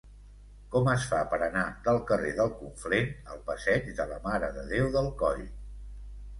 Com es fa per anar del carrer del Conflent al passeig de la Mare de Déu del Coll?